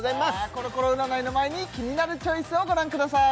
コロコロ占いの前に「キニナルチョイス」をご覧ください